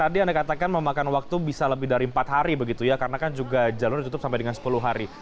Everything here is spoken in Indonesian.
tadi anda katakan memakan waktu bisa lebih dari empat hari begitu ya karena kan juga jalur ditutup sampai dengan sepuluh hari